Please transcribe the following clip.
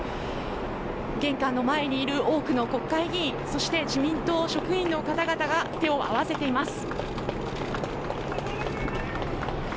玄関の前にいる多くの国会議員そして自民党職員の方々が手を合わせています。